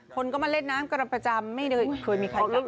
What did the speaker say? คนก็มาเล่นน้ำก็ดำประจำไม่เคยมีใครกัด